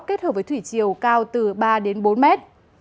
kết hợp với thủy chiều cao từ ba đến bốn mét